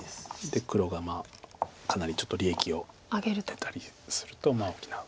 で黒がかなりちょっと利益を上げたりすると大きな。